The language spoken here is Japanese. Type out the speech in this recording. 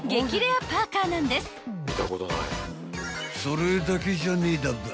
［それだけじゃねえだばぁ］